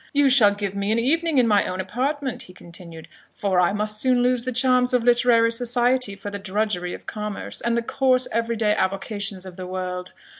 "You shall give me an evening in my own apartment," he continued; "for I must soon lose the charms of literary society for the drudgery of commerce, and the coarse every day avocations of the world.